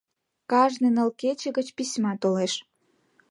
Кажне ныл кече гыч письма толеш.